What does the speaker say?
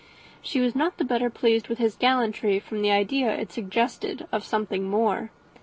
She was not the better pleased with his gallantry, from the idea it suggested of something more.